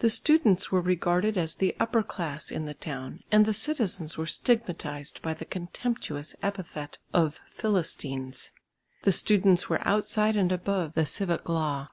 The students were regarded as the upper class in the town and the citizens were stigmatised by the contemptuous epithet of "Philistines." The students were outside and above the civic law.